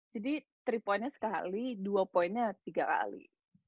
jadi three pointnya sekali dua poinnya tiga kali